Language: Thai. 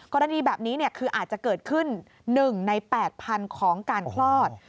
กรณีแบบนี้คืออาจจะเกิดขึ้น๑ใน๘๐๐๐ของการคลอด